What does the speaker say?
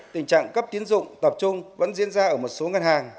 tình trạng cấp tiến dụng tập trung vẫn diễn ra ở một số ngân hàng